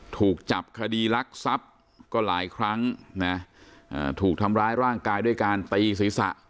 ถูกจับคดีรักทรัพย์ก็หลายครั้งนะถูกทำร้ายร่างกายด้วยการตีศีรษะ